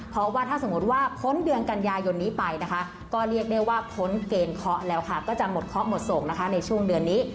เพราะว่าถ้าสมมุติว่าพ้นเดือนกันยายนนี้ไปนะคะก็เรียกได้ว่าพ้นเกณฑ์เคาะแล้วค่ะก็จะหมดเคาะหมดโศกนะคะในช่วงเดือนนี้